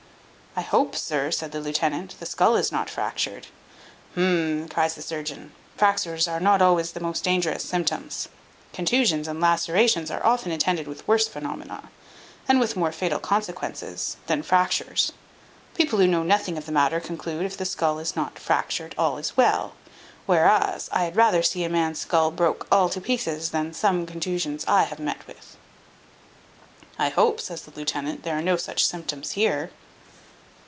"I hope, sir," said the lieutenant, "the skull is not fractured." "Hum," cries the surgeon: "fractures are not always the most dangerous symptoms. Contusions and lacerations are often attended with worse phaenomena, and with more fatal consequences, than fractures. People who know nothing of the matter conclude, if the skull is not fractured, all is well; whereas, I had rather see a man's skull broke all to pieces, than some contusions I have met with." "I hope," says the lieutenant, "there are no such symptoms here."